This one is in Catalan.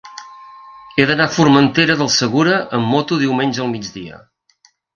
He d'anar a Formentera del Segura amb moto diumenge al migdia.